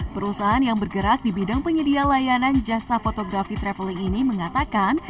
perusahaan yang bergerak di bidang penyedia layanan jasa fotografi traveling ini mengatakan